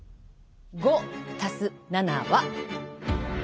５＋７は？